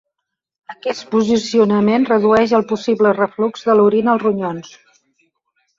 Aquest posicionament redueix el possible reflux de l'orina als ronyons.